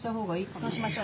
そうしましょう。